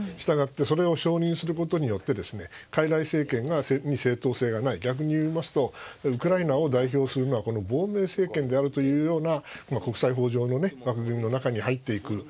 従ってそれを承認することによって傀儡政権に正当性がない、逆に言いますとウクライナを代表するのはこの亡命政権であるというような国際法上の枠組みの中に入っていく。